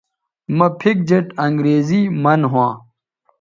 مہ پِھک جیٹ انگریزی من ھواں